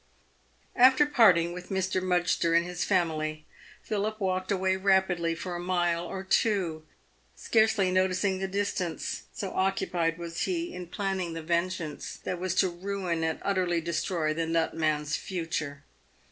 After parting with Mr. Mudgster and his family, Philip walked away rapidly for a mile or two, scarcely noticing the distance, so oc cupied was he in planning the vengeance that was to ruin and utterly destroy the nutman's future.